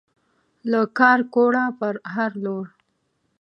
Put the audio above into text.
له کارکوړه پر هر لور